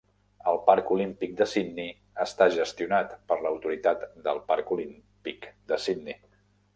El Parc Olímpic de Sydney està gestionat per l'autoritat del Parc Olímpic de Sydney.